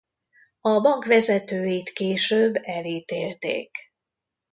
A bank vezetőit később elítélték.